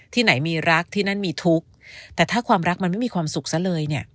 ที่ไหนมีรักที่นั่นมีทุกข์แต่ถ้าความรักมันไม่มีความสุขซะเลยเนี่ย